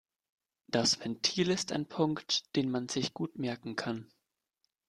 Das Ventil ist ein Punkt, den man sich gut merken kann.